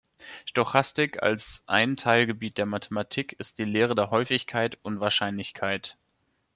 Stochastik als ein Teilgebiet der Mathematik ist die Lehre der Häufigkeit und Wahrscheinlichkeit.